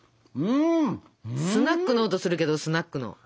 スナックの音するけどスナックの。